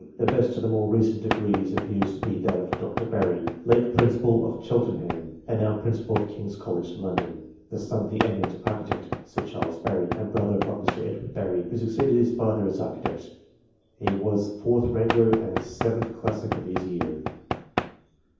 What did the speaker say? The best of these more recent degrees appears to be that of Dr. Barry, late Principal of Cheltenham, and now Principal of King's College, London (the son of the eminent architect, Sir Charles Barry, and brother of Mr. Edward Barry, who succeeded his father as architect). He was fourth wrangler and seventh classic of his year.